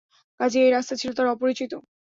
কাজেই এই রাস্তা ছিল তার অপরিচিত।